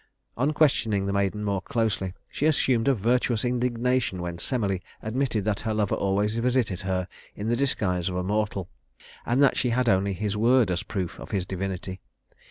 On questioning the maiden more closely, she assumed a virtuous indignation when Semele admitted that her lover always visited her in the disguise of a mortal, and that she had only his word as proof of his divinity.